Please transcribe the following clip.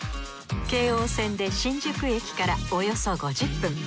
京王線で新宿駅からおよそ５０分。